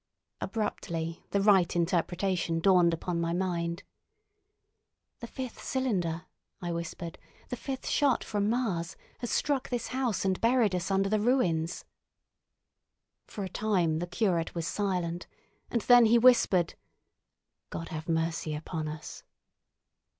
Abruptly the right interpretation dawned upon my mind. "The fifth cylinder," I whispered, "the fifth shot from Mars, has struck this house and buried us under the ruins!" For a time the curate was silent, and then he whispered: "God have mercy upon us!"